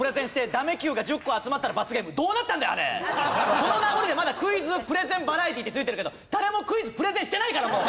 その名残でまだ「クイズプレゼンバラエティー」ってついてるけど誰もクイズプレゼンしてないからもう。